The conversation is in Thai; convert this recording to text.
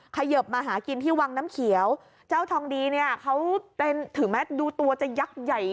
เขยิบมาหากินที่วังน้ำเขียวเจ้าทองดีเนี่ยเขาเป็นถึงแม้ดูตัวจะยักษ์ใหญ่